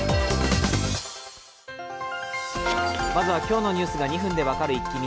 まずは今日のニュースが２分で分かるイッキ見。